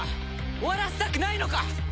終わらせたくないのか！？